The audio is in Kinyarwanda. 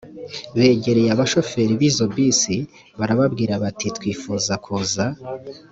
begereye abashoferi b izo bisi barababwira bati twifuza kuza